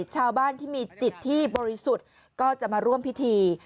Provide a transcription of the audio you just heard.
ชาวบ้านที่มีจิตที่บริสุทธิ์ก็จะมาร่วมพิธี